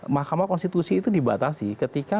mahkamah konstitusi itu dibatasi ketika